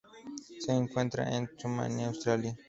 Se encuentra en Tasmania, Australia.